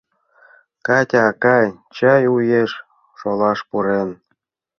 — Катя акай, чай уэш шолаш пурен!